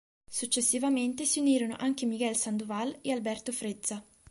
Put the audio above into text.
Successivamente si unirono anche Miguel Sandoval e Alberto Frezza.